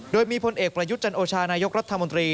โดยมีพลเอกประยุทธ์จันโอชานายกรัฐมนตรี